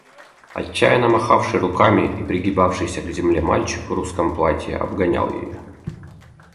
Отчаянно махавший руками и пригибавшийся к земле мальчик в русском платье обгонял ее.